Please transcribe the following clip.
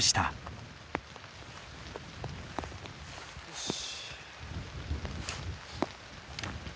よし。